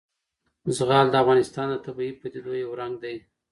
زغال د افغانستان د طبیعي پدیدو یو رنګ دی.